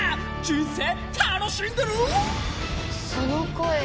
人生楽しんでる⁉その声